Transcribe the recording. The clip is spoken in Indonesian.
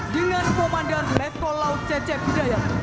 dengan komandan leto laut cece pidayat